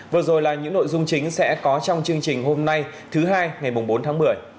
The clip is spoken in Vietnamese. vừa rồi là những nội dung chính sẽ có trong chương trình hôm nay thứ hai ngày bốn tháng một mươi